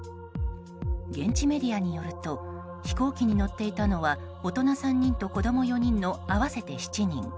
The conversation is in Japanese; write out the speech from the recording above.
現地メディアによると飛行機に乗っていたのは大人３人と子供４人の合わせて７人。